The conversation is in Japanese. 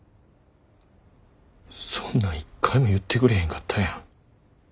そんなん一回も言ってくれへんかったやん。